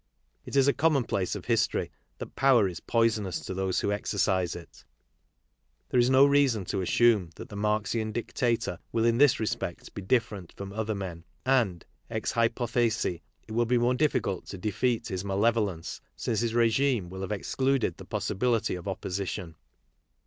It is a commonplace of history that power is poisonous to those 'who exercise it; there is no reason to assume that the Marxian dictator will in this respect be different from other men. And, ex hypothesi, it will be more difficult to defeat his malevolence since his regime will have excluded the possibility of opposition.